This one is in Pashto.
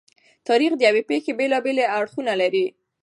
تاریخ د یوې پېښې بېلابېلې اړخونه لري.